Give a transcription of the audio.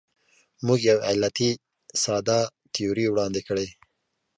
موږ یو علتي ساده تیوري وړاندې کړې.